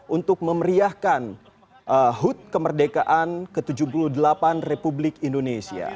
untuk memeriahkan hud kemerdekaan ke tujuh puluh delapan republik indonesia